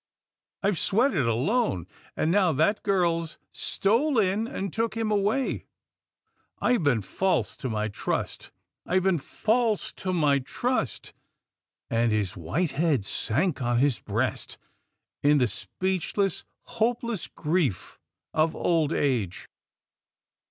I've sweated alone, and now that girl's stole in and took him away — I've been false to my trust — I've been false to my trust !" and his white head sank on his breast, in the speechless, hopeless grief of old age.